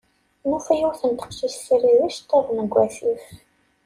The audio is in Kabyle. Nufa yiwet n teqcict tessirid iceṭṭiḍen deg wasif.